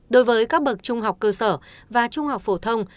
đối với các bậc trung học cơ sở và trung học phổ thông